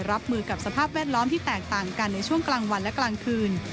รับมือกับสภาพแวดล้อมที่แตกต่างกันในช่วงกลางวันและกลางคืน